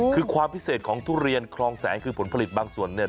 คือความพิเศษของทุเรียนคลองแสงคือผลผลิตบางส่วนเนี่ย